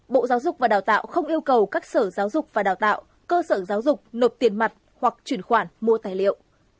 bộ giáo dục và đào tạo không yêu cầu các sở giáo dục và đào tạo cơ sở giáo dục nộp tiền mặt hoặc chuyển khoản mua tài liệu